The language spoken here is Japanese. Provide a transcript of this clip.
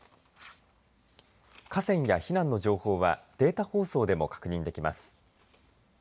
河川や避難の情報はデータ放送でも確認できます。